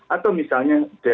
atau misalnya dari